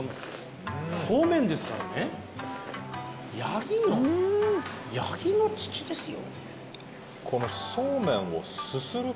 素麺ですからねヤギのヤギの乳ですよ